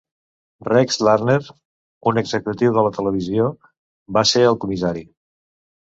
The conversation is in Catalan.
Rex Lardner, un executiu de la televisió, va ser el comissari.